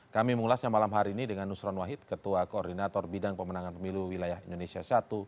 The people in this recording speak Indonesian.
kami mengulasnya malam hari ini dengan nusron wahid ketua koordinator bidang pemenangan pemilu wilayah indonesia i